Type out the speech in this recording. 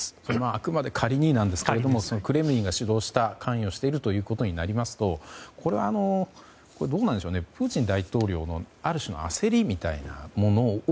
あくまで仮にですがクレムリンが主導した関与しているということになりますとこれは、どうなんでしょうプーチン大統領のある種の焦りみたいなものを